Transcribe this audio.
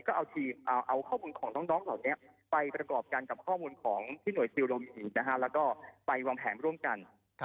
ก็เอาทีมเอาข้อมูลของน้องเหล่านี้ไปประกอบกันกับข้อมูลของที่หน่วยซิลเรามีอีกแล้วก็ไปวางแผนร่วมกัน